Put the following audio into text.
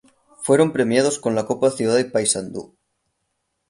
Fueron premiados con la Copa Ciudad de Paysandú.